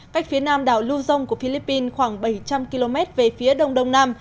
cách phía nam đảo luzon của philippines khoảng bảy trăm linh km về phía đông đông nam